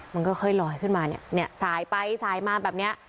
มันค่อยลอยขึ้นมาเนี่ยเนี่ยสายไปสายมาแบบเนี้ย